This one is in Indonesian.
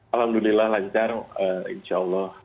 alhamdulillah lancar insya allah